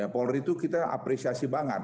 polri itu kita apresiasi banget